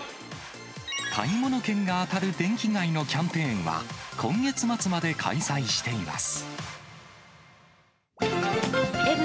買い物券が当たる電気街のキャンペーンは、今月末まで開催しています。